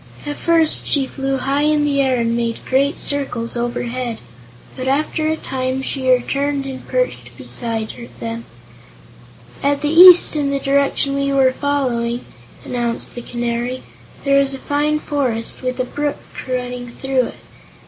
At first she flew high in the air and made great circles overhead, but after a time she returned and perched beside them. "At the east in the direction we were following," announced the Canary, "there is a fine forest, with a brook running through it.